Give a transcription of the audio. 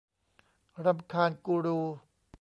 รำคาญกูรู